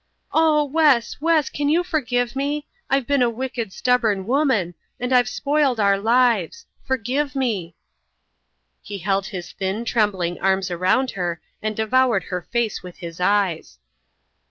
"Oh, Wes, Wes, can you forgive me? I've been a wicked, stubborn woman and I've spoiled our lives. Forgive me." He held his thin trembling arms around her and devoured her face with his eyes.